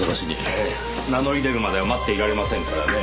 ええ名乗り出るまでは待っていられませんからねぇ。